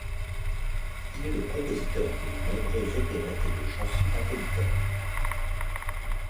Il est le compositeur de nombreux opérettes et de chansons napolitaines.